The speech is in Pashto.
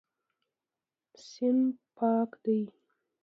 صنف پاک دی.